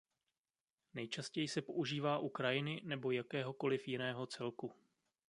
Nejčastěji se používá u krajiny nebo jakéhokoliv jiného celku.